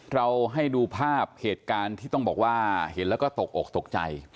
เราให้ดูภาพเหตุการณ์ที่ต้องบอกว่าเห็นแล้วก็ตกอกตกใจ